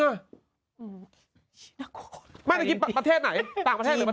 มันกินประเทศไหนต่างประเทศหรือประเทศนั้น